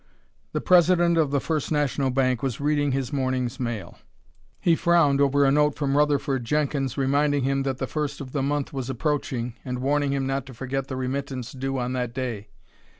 The president of the First National Bank was reading his morning's mail. He frowned over a note from Rutherford Jenkins reminding him that the first of the month was approaching, and warning him not to forget the remittance due on that day.